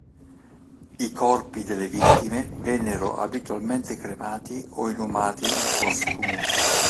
I corpi delle vittime vennero abitualmente cremati o inumati in fosse comuni.